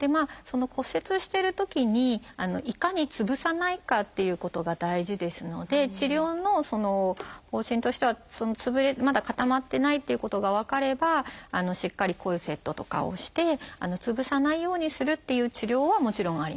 骨折してるときにいかにつぶさないかっていうことが大事ですので治療の方針としてはまだ固まってないということが分かればしっかりコルセットとかをしてつぶさないようにするという治療はもちろんあります。